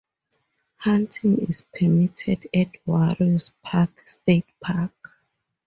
Hunting is permitted at Warriors Path State Park.